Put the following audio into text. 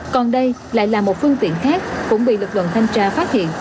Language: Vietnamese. còn đây lại là một phương tiện khác cũng bị lực lượng thanh tra phát hiện